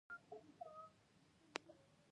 سلېمان ماکو د کندهار په ارغسان کښي اوسېدئ.